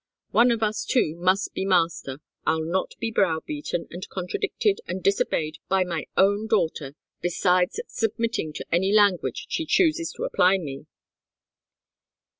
One of us two must be master. I'll not be browbeaten, and contradicted, and disobeyed by my own daughter, besides submitting to any language she chooses to apply to me."